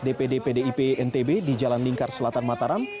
dpd pdip ntb di jalan lingkar selatan mataram